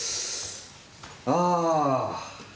ああ。